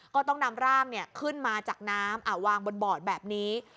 ก็ต้องนำร่างขึ้นมาจากน้ำวางบนบอดแบบนี้